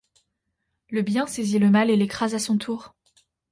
Le bien saisit le mal et l’écrase à son tour.